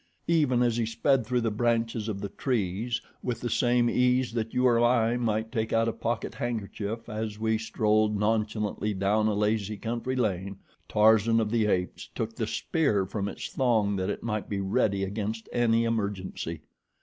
Even as he sped through the branches of the trees, with the same ease that you or I might take out a pocket handkerchief as we strolled nonchalantly down a lazy country lane, Tarzan of the Apes took the spear from its thong that it might be ready against any emergency.